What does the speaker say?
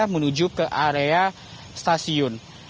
menuju ke area stasiun